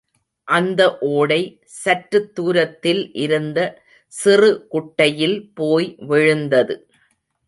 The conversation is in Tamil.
அந்த ஓடை, சற்றுத் தூரத்தில் இருந்த சிறு குட்டையில் போய் விழுந்தது.